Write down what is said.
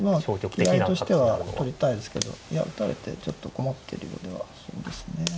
狙いとしては取りたいですけどいや打たれてちょっと困ってるようではそうですね。